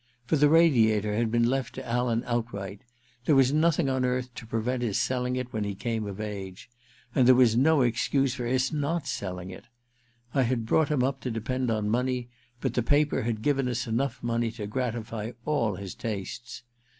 For the Radiator had been left to Alan outright — there was nothing on earth to prevent his selling it when he came of age. And there was no excuse for his not selling it. I had brought him up to depend on money, but the paper had given us enough money to gratify all his tastes.